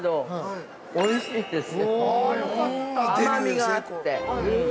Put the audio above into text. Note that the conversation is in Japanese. ◆甘みがあって◆